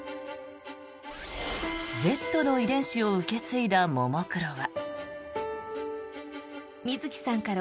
Ｚの遺伝子を受け継いだももクロは。